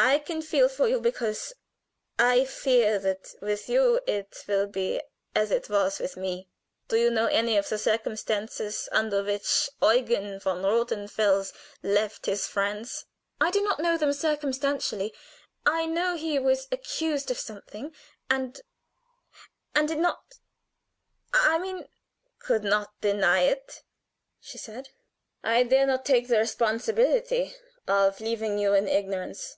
I can feel for you because I fear that with you it will be as it was with me. Do you know any of the circumstances under which Eugen von Rothenfels left his friends?" "I do not know them circumstantially. I know he was accused of something, and and did not I mean " "Could not deny it," she said. "I dare not take the responsibility of leaving you in ignorance.